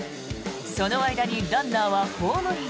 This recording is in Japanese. その間にランナーはホームイン。